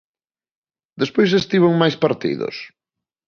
Despois estivo en máis partidos?